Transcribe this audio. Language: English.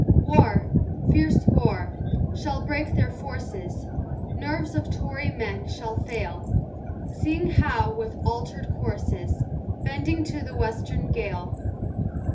War, fierce war, shall break their forces, Nerves of Tory men shall fail, Seeing Howe, with alter'd courses, Bending to the western gale.